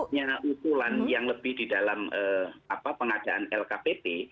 untuknya ukulan yang lebih di dalam pengadaan lkpp